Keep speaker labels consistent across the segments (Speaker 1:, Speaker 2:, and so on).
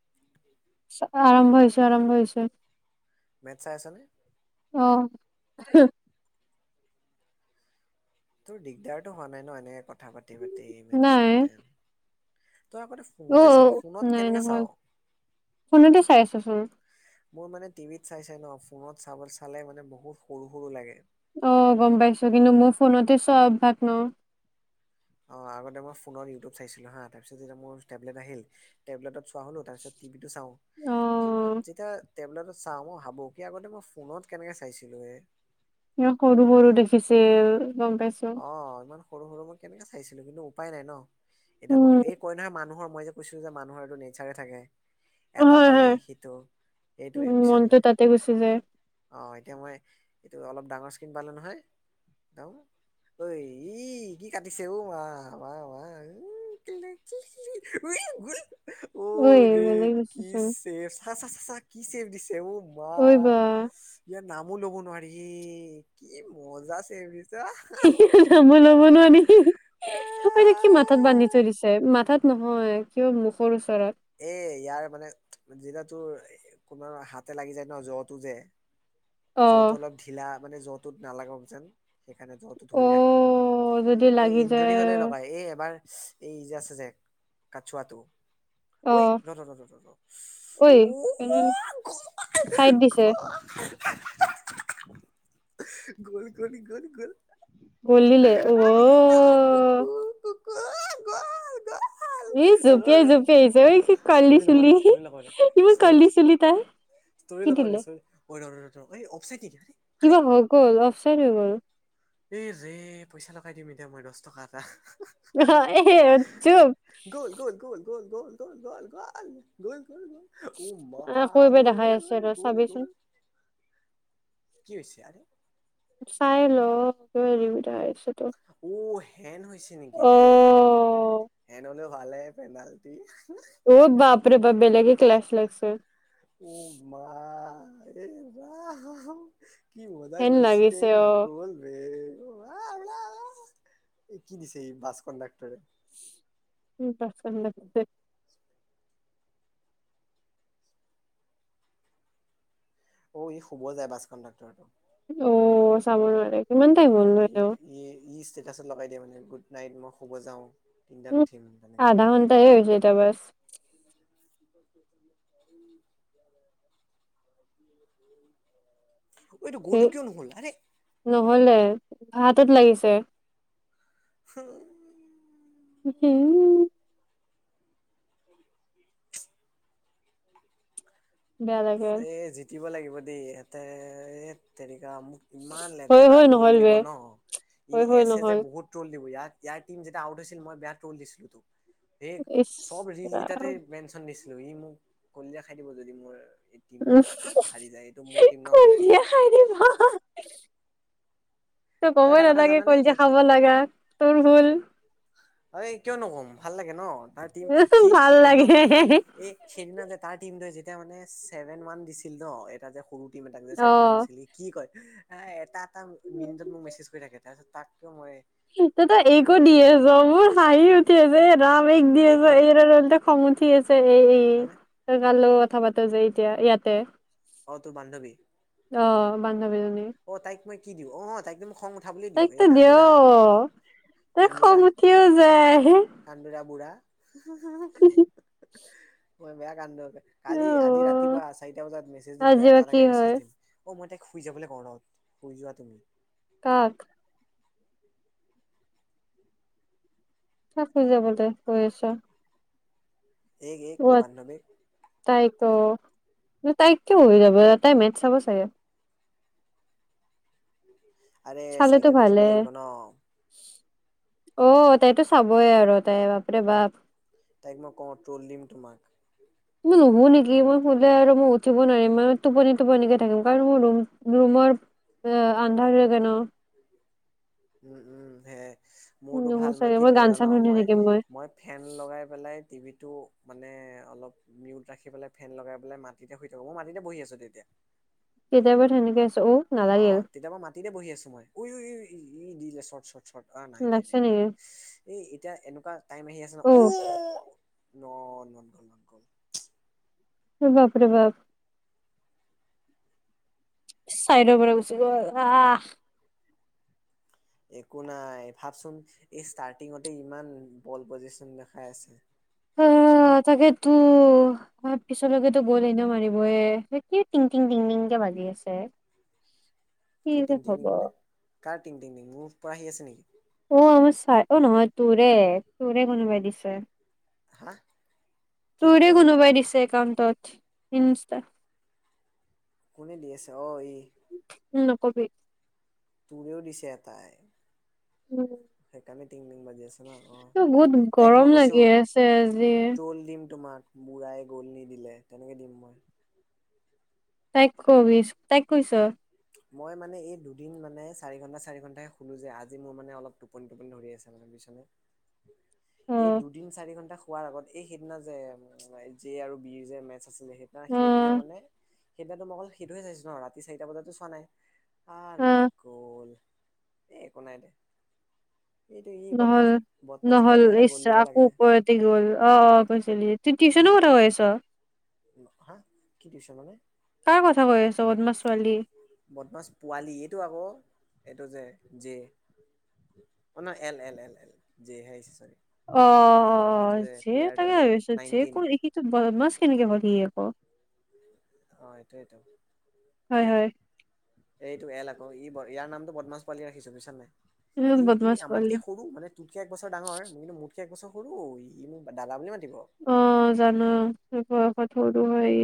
Speaker 1: [inaudible]
Speaker 2: চা আৰম্ভ হৈছে আৰম্ভ হৈছে।
Speaker 1: মেট চাই চা নে।
Speaker 2: অ।
Speaker 1: তোৰ দিগদাৰতো হোৱা নাই ন এনেকে কথা পাতি পাতি মে
Speaker 2: নাই
Speaker 1: চাওঁতে? তই
Speaker 2: অ
Speaker 1: আগতে চাওঁ ফোনত
Speaker 2: নাই
Speaker 1: কেনেকে
Speaker 2: নহয়
Speaker 1: চাওঁ?
Speaker 2: ফোনতে চাই আছোচোন
Speaker 1: মোৰ মানে টিভিত চাই চাই ন ফোনত চাব চালে মানে বহুত সৰু সৰু লাগে।
Speaker 2: অ গম পাইছো কিন্তু মোৰ ফোনতে চোৱা অভ্যাস ন।
Speaker 1: অ আগতে মই ফোনত ইউটিউব চাইছিলো হা তাৰ পিছ যেতিয়া মোৰ টেবলেট আহিল, টেবলেটত চোৱা হ'লো তাৰপিছত টিভিটো চাওঁ,
Speaker 2: অ
Speaker 1: তাৰপিছত মই যেতিয়া টেবলেটত চাওঁ মই ভাবো কি আগতে ফোনত কেনেকৈ চাইছিলোঁ এ।
Speaker 2: সৰু সৰু দেখিছিল গম পাইছো।
Speaker 1: অ ইমান সৰু সৰু মই কেনেকে চাইছিলো কিন্তু উপায় নাই ন, এতিয়া
Speaker 2: উম
Speaker 1: মই এই কই নহয় মানুহৰ মই যে কৈছিলো যে মানুহৰ এইটো নেচাৰে থাকে। এটা
Speaker 2: হয়
Speaker 1: পালে
Speaker 2: হয়
Speaker 1: সিটো সেইটোৱে
Speaker 2: উম
Speaker 1: বুজিছ
Speaker 2: মনটো
Speaker 1: নাই।
Speaker 2: তাতে গুচি যায়
Speaker 1: অ এতিয়া মই এইটো অলপ ডাঙৰ স্ক্ৰীণ পালো নহয় একদম। ঐ ই কি কাটিছে ঔ মা মা মা উ [unintelligible] উই গুই অ
Speaker 2: ঐ
Speaker 1: ৰে
Speaker 2: বেলেগ
Speaker 1: কি
Speaker 2: হৈছেচোন
Speaker 1: চেচ, চা চা চা চা কি চেফ দিছে অ
Speaker 2: ঐ বা
Speaker 1: বাহ! ইয়াত নামো লবো নোৱাৰি কি মজা ছেফ দিছা।
Speaker 2: হি হি নাম ল'ব নোৱাৰি হি, কি মাথাত বান্ধি থৈ দিছে, মাথাত নহয় কিয় [unintelligible]
Speaker 1: এ ইয়াৰ মানে জিলা তৰ কোনোব হাতে লাগি যায় ন জ্বতো যে
Speaker 2: অ
Speaker 1: যওটো অলপ ঢিলা মানে যওটোত নালাগক যেন। সেইকাৰণে জ্বৰটো
Speaker 2: অ
Speaker 1: ধৰি ৰাখে মানে,
Speaker 2: যদি
Speaker 1: এই
Speaker 2: লাগি
Speaker 1: ইঞ্জুৰি
Speaker 2: যায়
Speaker 1: হ'লে লগাই। এই এবাৰ এই যে আছে যে কাছুৱাটো।
Speaker 2: অ
Speaker 1: ঐ
Speaker 2: ঐ তেনে
Speaker 1: ৰ-ৰ-ৰ-ৰ-ৰ
Speaker 2: চাইড দিছে
Speaker 1: ও [unintelligible] গ'ল-গ'ল-গ'ল-গ'ল আ
Speaker 2: গ'ল দিলে অ'
Speaker 1: কুকুৰ-কুকুৰ অ গ'ল-গ'ল
Speaker 2: ই জুপিয়াই-জুপিয়াই আহিছে এ কি কাৰলি
Speaker 1: ষ্টৰি লগাও দে
Speaker 2: চুলি,
Speaker 1: ষ্টৰি লগাও দে
Speaker 2: ইমান
Speaker 1: ষ্টৰি
Speaker 2: কাৰলি চুলি তাইৰ। কি দিলে?
Speaker 1: ঐৰ ৰ ৰ [unintelligible]
Speaker 2: কিবা হৈ গ'ল অফচাইদ হৈ গ'ল।
Speaker 1: এই ৰে পইচা লগাই দিম এতিয়া মই দহ টকা এটা।
Speaker 2: [unintelligible]
Speaker 1: গল-গল -গল -গল- গল- গল- গল -গ- গল- গল- গল অ মা
Speaker 2: আকৌ এবাৰ দেখাই আছে
Speaker 1: ঐ-ঐ-ঐ
Speaker 2: ৰ চাবিচোন
Speaker 1: গ'ল-গ'ল কি হৈছে আৰে?
Speaker 2: চাই ল [unintelligible]
Speaker 1: উ হেন হৈছে নেকি এটো
Speaker 2: অ'
Speaker 1: হেন হলে ভালে পেনাল্টি।
Speaker 2: অ' বাপৰে বাপ বেলেগে ক্লাছ লৈছে।
Speaker 1: ও মা [unintelligible] কি মজা
Speaker 2: হেন
Speaker 1: গল
Speaker 2: লাগিছে
Speaker 1: স্পেইন
Speaker 2: অ'
Speaker 1: গ'ল বে। [unintelligible] এই কি দিছে এই বাছ কণ্ডাক্টৰে?
Speaker 2: [unintelligible]
Speaker 1: অ ই শুব যায় বাছ কণ্ডাক্টৰটো।
Speaker 2: অ চাব নোৱাৰে। কিমান টাইম হ'ল? নো
Speaker 1: ই
Speaker 2: এনেও
Speaker 1: ই ই ষ্টেটাচত লগাই দিয়ে মানে, গুড নাইট মই শুব যাওঁ। তিনটাত
Speaker 2: উম
Speaker 1: উঠিম তেনেকে
Speaker 2: আধা ঘণ্টা এই হৈছে এতিয়া বাছ।
Speaker 1: [unintelligible] ঐটো গলটো
Speaker 2: ধেই
Speaker 1: কিয় নহল আৰে
Speaker 2: নহলে হাতত লাগিছে।
Speaker 1: [unintelligible]
Speaker 2: হম। বেয়া লাগে
Speaker 1: এ জিতিব লাগিব দেই ইহঁতে এত তেৰিকা মোক ইমান
Speaker 2: হৈ
Speaker 1: লেতেৰা
Speaker 2: হৈ
Speaker 1: ট্ৰল
Speaker 2: নহ'ল
Speaker 1: দিব
Speaker 2: বে
Speaker 1: ন, ই
Speaker 2: হৈ হৈ
Speaker 1: এছে যে
Speaker 2: নহ'ল
Speaker 1: বহুত ট্ৰল দিব ইয়াত ইয়াৰ টিম যেতিয়া আউট হৈছিল মই বেয়া ট্ৰল দিছিলোতো। সেই
Speaker 2: ইচ
Speaker 1: চব ৰিল কেইটাতে
Speaker 2: ৰাম
Speaker 1: মেনচন দিছিলো। সি মোক কলিজা খাই দিব যদি মোৰ টিমটোত
Speaker 2: উফ
Speaker 1: হাৰি যায় এইটো মোৰ টিম ন মানে।
Speaker 2: [unintelligible] ত
Speaker 1: তই
Speaker 2: কবই
Speaker 1: এটা কথা
Speaker 2: নালাগে
Speaker 1: জানানে
Speaker 2: কলিজা
Speaker 1: এইটো
Speaker 2: খাব লাগা, তোৰ ভুল।
Speaker 1: হাৰে কিয় নকম ভাল লাগে ন, তাৰ টিম সি
Speaker 2: ভাল
Speaker 1: একদম
Speaker 2: লাগে
Speaker 1: এ সেইদিনা যে তাৰ টিমটোৱ যেতিয়া মানে ছেভেন ওৱান দিছিল ন এটা যে সৰু টিম এটাক যে
Speaker 2: অ
Speaker 1: ছেভেন ৱান দিছিল সি কি কয় আ এটা এটা মিনিটত মোক মেছেজ কৰি থাকে তাৰপিছত তাক কিয় মই
Speaker 2: তই ত এইকো
Speaker 1: ট্ৰল
Speaker 2: দি
Speaker 1: নিদিম
Speaker 2: আছ মোৰ হাঁহি উঠি আছে এই ৰাম এইক দি
Speaker 1: এক মানে
Speaker 2: আছ [unintelligible] খং উঠি আছে সেই এই,
Speaker 1: মানে
Speaker 2: তই কাৰলগত কথা পাত যে এতিয়া ইয়াতে।
Speaker 1: অ তোৰ বান্ধৱী।
Speaker 2: অ বান্ধৱীজনী।
Speaker 1: অ তাইক মই কি দিওঁ, অ তাইক মই খং উঠাবলৈ দিওঁ
Speaker 2: তাইক ত
Speaker 1: এই
Speaker 2: দিয়
Speaker 1: কান্দোৰা
Speaker 2: তাইৰ খং
Speaker 1: কান্দোৰা।
Speaker 2: উঠিও যায়
Speaker 1: কান্দোৰা বুঢ়া [unintelligible] মই বেয়া কান্দো কালি আজি
Speaker 2: অ'
Speaker 1: ৰাতিপুৱা চাৰিটা বজাত মেচেজ দিমটো
Speaker 2: আজি
Speaker 1: এটা
Speaker 2: বা কি
Speaker 1: এটাকে মেছেজ
Speaker 2: হয়
Speaker 1: দিম। অ', মই তাইক শুই যাবলে ঘৰত শুই যোৱা তুমি।
Speaker 2: কাক? কাক শুই যাবলৈ কৈ আছ?
Speaker 1: এইক এইক তোৰ বান্ধৱীক।
Speaker 2: তাইক অ' তাইক কিয় হৈ যাব তাই মেত চাব চাগে?
Speaker 1: আৰে
Speaker 2: চালেতো
Speaker 1: চাৰিটাত
Speaker 2: ভালে
Speaker 1: উঠিব লাগিব ন।
Speaker 2: অ', তাইতো চাবই আৰু তাই বাপৰে বাপ।
Speaker 1: তাইক মই কওঁ ট্ৰ'ল দিম তোমাক।
Speaker 2: মই নুশু নেকি?
Speaker 1: উম
Speaker 2: মই শুলে আৰু মই উঠিব নোৱাৰিম, মই টোপনি টোপনিকে থাকিম কাৰণ মোৰ ৰুম ৰুমৰ আ আন্ধাৰ হৈ থাকে ন।
Speaker 1: উম উম সেইয়াই মোৰটো
Speaker 2: নুশু
Speaker 1: ভাল মই
Speaker 2: চাগে
Speaker 1: কি কৰো
Speaker 2: গান
Speaker 1: জান
Speaker 2: চান শুনি
Speaker 1: মই
Speaker 2: থাকিম
Speaker 1: মই ফেন লগাই পেলাই টিভিটো মানে অলপ মিউট ৰাখি পেলাই ফেন লগাই পেলাই মাটিতে শুই থাকো, মই মাটিতে বঢ়ি আছো তেতিয়া।
Speaker 2: কেতিয়াপা তেনেকে চৌ
Speaker 1: অ
Speaker 2: নালাগিল।
Speaker 1: তেতিয়া মই মাটিতে বঢ়ি আছো মই উই উই উই ই দি দিলে চৰ্ট চৰ্ট চৰ্ট অ নাই নাই
Speaker 2: লাগছে
Speaker 1: নাই।
Speaker 2: নেকি
Speaker 1: এই এতিয়া এনেকুৱা টাইম আহি আছে ন
Speaker 2: অ'
Speaker 1: ও ন
Speaker 2: বাপৰে বাপ। চাইদৰ পৰা গুচি গ'ল আস।
Speaker 1: একো নাই ভাবচোন এই ষ্টাৰ্টিঙতে ইমান বল পজিচন দেখাই আছে।
Speaker 2: উম, তাকেটো। হয় পিছলৈকেটো বল এনেও মাৰিবয়ে কি টংটিং টিংটিংকে বাজি আছে।
Speaker 1: কি
Speaker 2: যে
Speaker 1: টিংটিং
Speaker 2: হ'ব
Speaker 1: মানে কাৰ টিংটিংটিং মোৰ পৰা আহি আছে নিকি?
Speaker 2: অ, মোৰ চাই অ, নহয় তোৰে তোৰে কোনোবাই দিছে।
Speaker 1: হা? কি
Speaker 2: তোৰে কোনোবাই দিছে একাউণ্টত ইনস্তা।
Speaker 1: কোনে দি আছে অ ই।
Speaker 2: উম নকবি।
Speaker 1: তোৰেও দিছে এটাই।
Speaker 2: উম।
Speaker 1: সেই কাৰণে টিং টিং বাজি আছে। অ অ
Speaker 2: তোৰ বহুত
Speaker 1: তাইক
Speaker 2: গৰম
Speaker 1: মই কৈছো
Speaker 2: লাগি আছে আজি
Speaker 1: ট্ৰ'ল দিম তোমাক। বুঢ়ায়ে গ'ল নিদিলে তেনেকে দিম মই।
Speaker 2: তাই কবি তাইক কৈছ?
Speaker 1: মই মানে এই দুদিন মানে চাৰি ঘণ্টা চাৰি ঘন্টাহে শুলো যে আজি মোৰ মানে অলপ টোপনি টোপনি ধৰি আছে মানে বুইছনে। [inaudible] এই
Speaker 2: অ'
Speaker 1: দুদিন চাৰি ঘন্টা শুৱাৰ আগত এই সেইদিনা যে জে আৰু বিৰ যে মে টচ আছিলে সেইদিনা
Speaker 2: অ'
Speaker 1: সেইদিনা মানে সেইদিনাটো মই অকল সেইটোহে চাইছো ন ৰাতি চাৰিটা বজাতটো চোৱা নাই। আ নট
Speaker 2: অ'
Speaker 1: গ'ল, এ একো নাই দে। এইটো ই
Speaker 2: নহ'ল
Speaker 1: বদমাছ বদমাছ
Speaker 2: নহ'ল
Speaker 1: পোৱালি এটা
Speaker 2: ইচ
Speaker 1: গ'ল দিব
Speaker 2: আকৌ
Speaker 1: লাগে।
Speaker 2: ওপৰতে গ'ল অ', কৈছিলি তোৰ টিউচনৰ কথা কৈ আছ?
Speaker 1: হা কি টিউচন মানে?
Speaker 2: কাৰ কথা কৈ আছ বদমাচ ছোৱালী?
Speaker 1: বদমাছ পোৱালি এইটো আক এইটো যে জে। অ নহয় এল এল এল জে হে আহিছে চ'ৰি।
Speaker 2: অ,
Speaker 1: এইটো যে
Speaker 2: জে
Speaker 1: প্লেয়াৰটো
Speaker 2: তাকে
Speaker 1: যে
Speaker 2: ভাবিছো জে আক
Speaker 1: নাইনটিন
Speaker 2: এই ক্ষেত্ৰত বদমাছ কেনেকে হ'ল সি আক।
Speaker 1: অ, এইটো এইটো।
Speaker 2: হয় হয়।
Speaker 1: এইটো এল আকৌ ইয়াৰ নামটো বদমাছ পোৱালী ৰাখিছো বুইছ নাই
Speaker 2: বহুত
Speaker 1: ই ই
Speaker 2: বদমাছ পোৱালি
Speaker 1: আমাতকে সৰু মানে তোতকে একবছৰ ডাঙৰ কিন্তু মোতকে একবছৰ সৰু ই মোক দাদা বুলি মাতিব।
Speaker 2: অ জানো বয়সত সৰু হয় ই।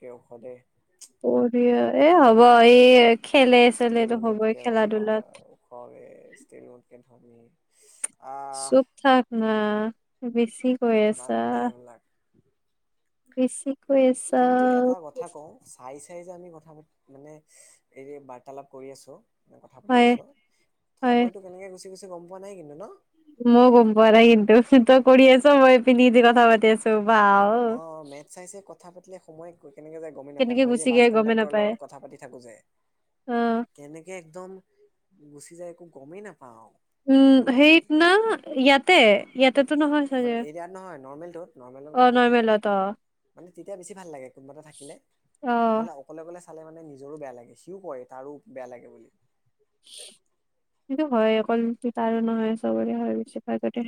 Speaker 1: [unintelligible] দে
Speaker 2: পৰিয়ে এ হ'ব এই খেলে চেলেটো হ'বই খেলা-ধূলাত।
Speaker 1: অ এ ষ্টাৰিয়তকে ধনি।
Speaker 2: চুপ থাক না বেছি কৈ আছা।
Speaker 1: বাদ দে এইবিলাক
Speaker 2: বেছি কৈ আছা।
Speaker 1: কিন্তু এটা কথা কওঁ চাই চাই যে আমি কথা পা মানে এই বাৰ্তালাপ কৰি আছোঁ। কথা পাতি
Speaker 2: হয়
Speaker 1: আছোঁ,
Speaker 2: হয়
Speaker 1: সময়টো কেনেকৈ গুচি গৈছে গম পোৱা নাই কিন্তু ন?
Speaker 2: মইয়ো গম পোৱা নাই কিন্তু, তই কৰি আছ মই [unintelligible] দি কথা পাতি আছো। ৱাও!
Speaker 1: অঁ মেটচ চাই চাই কথা পাতিলে সময় কেনেকে যায় গমেই নাপায়।
Speaker 2: কেনেকে
Speaker 1: মই
Speaker 2: গুচি
Speaker 1: যে বাছ
Speaker 2: গৈ গমেই
Speaker 1: কণ্ডাক্টৰৰ
Speaker 2: নাপায়
Speaker 1: লগত কথা পাতি থাকোঁ যে।
Speaker 2: অ'।
Speaker 1: কেনেকে একদম গুচি যায়, একো গমেই নাপাওঁ।
Speaker 2: উম
Speaker 1: সময়
Speaker 2: সেইত না ইয়াতে-ইয়াতেটো নহয় চাগে?
Speaker 1: ইয়াত নহয় নৰ্মেলটোত। নৰ্মেলত কথা
Speaker 2: অ'
Speaker 1: পাতো
Speaker 2: নৰ্মেলত অ'।
Speaker 1: মানে তেতিয়া বেছি ভাল লাগে কোনোবা এটা থাকিলে। নহ'লে অ অকলে অকলে চালে মানে নিজৰো বেয়া লাগে, সিও কয় তাৰো বেয়া লাগে বুলি।
Speaker 2: সেইটো হয়, অকল তাৰো নহয় চবৰে হয় বেছি ভাগৰে।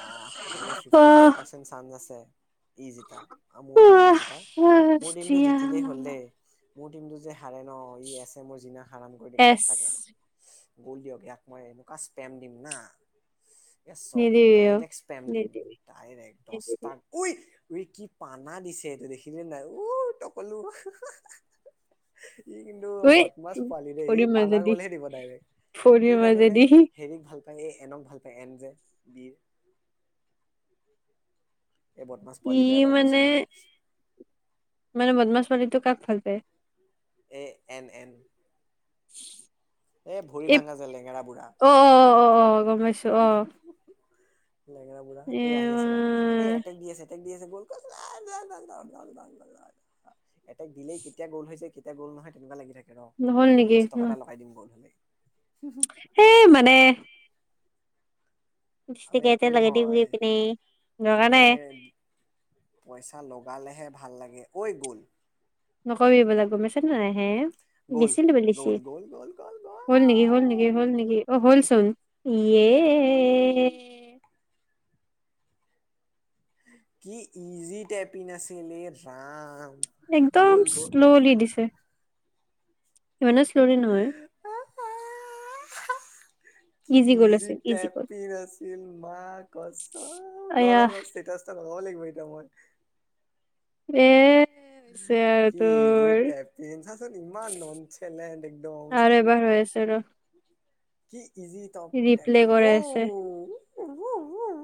Speaker 1: আহ' আজি ফিফটি ফাইভ পাৰ্চেণ্ট চানচ আছে। ই জিতা মোৰ টিমটো জিতা মোৰ টিমটো জিতিলেই হ'ল দেই। মোৰ টিমটো যে সাৰে ন' ই আছে মোৰ যিনা হাৰাম কৰি দিব
Speaker 2: এচ
Speaker 1: সঁচাকে। গ'ল দিয়ক, ইয়াক মই এনেকুৱা স্পেম দিম না। [unintelligible]
Speaker 2: নিদিবি অ',
Speaker 1: ডাইৰেক্ট স্পেম দিম
Speaker 2: নিদিবি
Speaker 1: ডাইৰেক্ট
Speaker 2: নিদিবি
Speaker 1: দহটাক। [unintelligible] [inaudible] ই কিন্তু
Speaker 2: ঐ
Speaker 1: বদমাছ পোৱালি দেই! ই
Speaker 2: ভৰিৰ
Speaker 1: পানা
Speaker 2: মাজেদি
Speaker 1: গলেহে দিব ডাইৰেক্ট। ই
Speaker 2: ভৰিৰ
Speaker 1: জানানে?
Speaker 2: মাজেদি
Speaker 1: হেৰিক ভাল পায়, এই এনক ভাল পায় এন যে বিৰ এই বদমাছ পোৱালিটো
Speaker 2: ই
Speaker 1: এবাৰ
Speaker 2: মানে
Speaker 1: কৈছিল ন।
Speaker 2: মানে বদমাছ পোৱালিটো কাক ভাল পায়?
Speaker 1: এ এন এন
Speaker 2: [inaudible]
Speaker 1: এ ভৰি
Speaker 2: এই
Speaker 1: ভাঙা যে লেঙেৰা বুঢ়া।
Speaker 2: অ' অ' অ' অ' গম পাইছোঁ।
Speaker 1: লেঙেৰা বুঢ়া।
Speaker 2: এ
Speaker 1: এই আহি আছে ৰ! এই এটেক দি আছে, এটেক দি আছে [unintelligible] এটেক দিলেই কেতিয়া গ'ল হৈছে, কেতিয়া গ'ল নহয় তেনেকুৱা লাগি থাকে। ৰ
Speaker 2: হ'ল নেকি
Speaker 1: দহ টকা
Speaker 2: ন-
Speaker 1: এটা লগাই দিম গল হ'লে।
Speaker 2: এই মানে লিপষ্টিক
Speaker 1: [unintelligible]
Speaker 2: এটা
Speaker 1: একো
Speaker 2: লগাই দিম গৈ
Speaker 1: নহয়
Speaker 2: পিনে। দৰকাৰ
Speaker 1: আৰে
Speaker 2: নাই
Speaker 1: পইচা লগালেহে ভাল লাগে। ঐ গ'ল!
Speaker 2: নকবি এইবিলাক! গম পাইছ নাই হে?
Speaker 1: গ'ল
Speaker 2: বেচিলো বেলিছি।
Speaker 1: গ'ল গ'ল গ'ল গ'ল! গ'ল
Speaker 2: হল নেকি, হ'ল নেকি, হ'ল নেকি? অ হ'লচোন! য়েহ
Speaker 1: গ'ল কি ইজি টেপি নাছিলে। এ ৰাম!
Speaker 2: একদম
Speaker 1: গ'ল গল।
Speaker 2: শ্ল'লি দিছে ইমানো শ্লৰি নহয়।
Speaker 1: গ'ল কি
Speaker 2: গ'ল
Speaker 1: ইজি
Speaker 2: আছিল।
Speaker 1: টেপ
Speaker 2: গ'ল।
Speaker 1: ইন আছিল মা কছম ৰ' ৰ'
Speaker 2: আয়াহ
Speaker 1: ৰ' ষ্টেটাছ লগাব লাগিব এতিয়া মই।
Speaker 2: এ হৈছে আৰু
Speaker 1: কি ইজি
Speaker 2: তোৰ
Speaker 1: টেপ ইন চাচোন, ইমান নন [unintelligible] একদম।
Speaker 2: আৰু
Speaker 1: চাচোন
Speaker 2: এবাৰ হৈ আছে ৰ!
Speaker 1: কি ইজি টপ
Speaker 2: ৰিপ্লে
Speaker 1: টেপিন ও
Speaker 2: কৰাই আছে
Speaker 1: [unintelligible]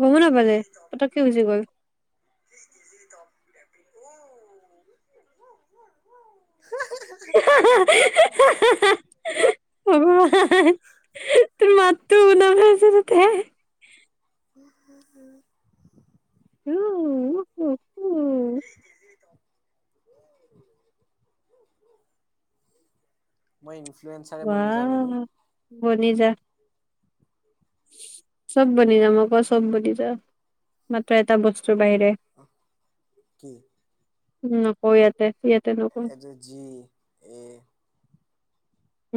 Speaker 2: গমো নাপালে পতককে গুচি গ'ল।
Speaker 1: কি ইজি টপ টেপিন ও [unintelligible]
Speaker 2: [unintelligible] তোৰ মাতটো শুনা পাইছে তাতে।
Speaker 1: উম উম উম।
Speaker 2: উ উ উ উ।
Speaker 1: মই ইনফ্লুৱেঞ্চাৰে বনি যাওঁ
Speaker 2: ৱাহ
Speaker 1: নেকি?
Speaker 2: বনি যা। চব বনি যাম আকৌ চব বনি যা, মাত্ৰ এটা বস্তুৰ বাহিৰে।
Speaker 1: অহ কি?
Speaker 2: নকওঁ ইয়াতে ইয়াতে নকওঁ
Speaker 1: এইটো জি এ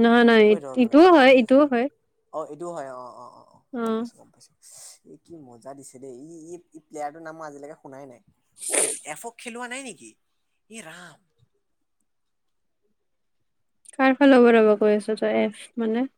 Speaker 2: নহয় নহয়
Speaker 1: ঐ ৰ
Speaker 2: ইট-
Speaker 1: ৰ ৰ
Speaker 2: ইটোও
Speaker 1: আকৌ
Speaker 2: হয়
Speaker 1: আহি আছে
Speaker 2: ইটোও
Speaker 1: যে,
Speaker 2: হয়
Speaker 1: অ এইটো হয় অ অ অ অ গম পাইছো গম পাইছো। ইচ এ কি মজা দিছে দেই ই ই প্লেয়াৰটোৰ নাম আজিলৈকে মই শুনাই নাই। ঐ এফক খেলোৱা নাই নেকি ই ৰাম!
Speaker 2: কাৰফালে ৰ'ব ৰ'ব কৈ আছ তই এফ মানে?